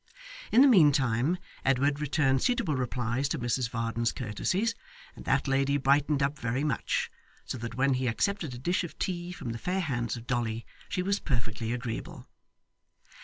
In the meantime, Edward returned suitable replies to Mrs Varden's courtesies, and that lady brightened up very much; so that when he accepted a dish of tea from the fair hands of Dolly, she was perfectly agreeable.